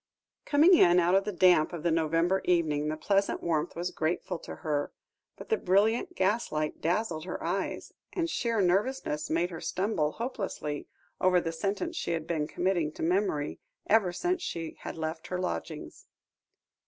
Coming in out of the damp of the November evening, the pleasant warmth was grateful to her, but the brilliant gaslight dazzled her eyes, and sheer nervousness made her stumble hopelessly over the sentence she had been committing to memory, ever since she had left her lodgings.